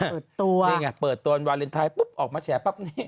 เปิดตัวนี่ไงเปิดตัววันวาเลนไทยปุ๊บออกมาแฉปั๊บนี้